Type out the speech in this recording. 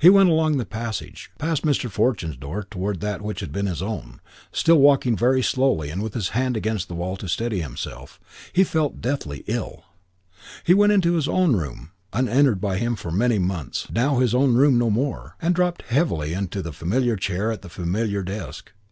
He went along the passage, past Mr. Fortune's door towards that which had been his own, still walking very slowly and with his hand against the wall to steady himself. He felt deathly ill.... He went into his own room, unentered by him for many months, now his own room no more, and dropped heavily into the familiar chair at the familiar desk.